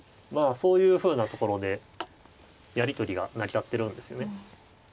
そういうふうなところでやり取りが成り立ってるんですよね。